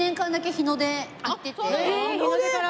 日出から？